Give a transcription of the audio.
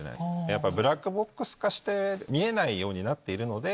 やっぱブラックボックス化して見えないようになっているので。